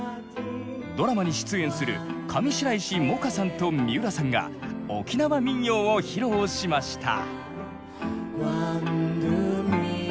ドラマに出演する上白石萌歌さんと三浦さんが沖縄民謡を披露しました。